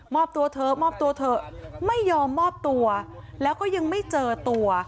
ตัวเถอะมอบตัวเถอะไม่ยอมมอบตัวแล้วก็ยังไม่เจอตัว